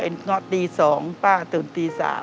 ง็อตตี๒ป้าตื่นตี๓